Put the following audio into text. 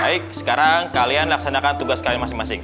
baik sekarang kalian laksanakan tugas kalian masing masing